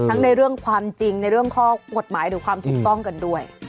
ในเรื่องความจริงในเรื่องข้อกฎหมายหรือความถูกต้องกันด้วย